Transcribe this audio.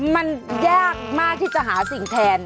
มันยากมากที่จะหาสิ่งแทน